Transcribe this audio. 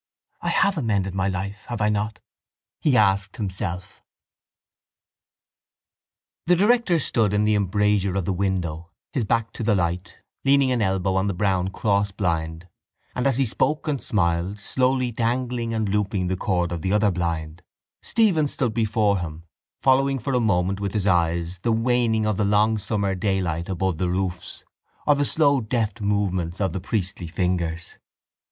—I have amended my life, have I not? he asked himself. The director stood in the embrasure of the window, his back to the light, leaning an elbow on the brown crossblind, and, as he spoke and smiled, slowly dangling and looping the cord of the other blind, Stephen stood before him, following for a moment with his eyes the waning of the long summer daylight above the roofs or the slow deft movements of the priestly fingers.